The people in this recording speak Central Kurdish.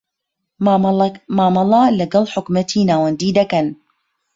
مامەڵە لەکەڵ حکومەتی ناوەندی دەکەن.